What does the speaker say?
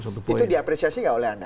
itu diapresiasi nggak oleh anda